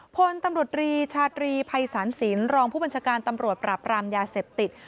พลตำรวจรีชาตรีภัยศาลสินรองผู้บัญชาการตำรวจปราบรามยาเสพติด